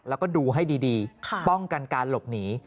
แล้วก็ดูให้ดีป้องกันการหลบหนี